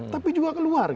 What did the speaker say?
tapi juga ke luar